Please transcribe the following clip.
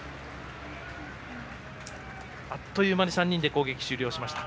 あっという間に３人で攻撃終了しました。